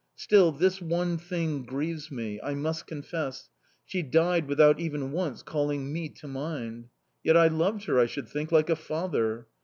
Still, this one thing grieves me, I must confess: she died without even once calling me to mind. Yet I loved her, I should think, like a father!...